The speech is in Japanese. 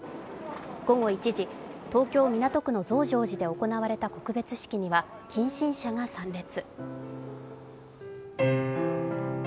午後１時、東京・港区の増上寺で行われた告別式には近親者が参列。